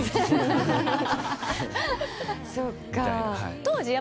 そうか。